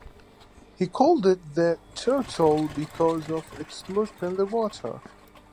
He called it the "Turtle" because of its look in the water.